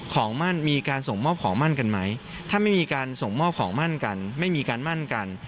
ของมั่นมีการส่งมอบของมั่นกันไหมถ้าไม่มีการส่งมอบของมั่นกันไม่มีการมั่นกัน